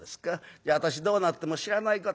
じゃあ私どうなっても知らないことよ』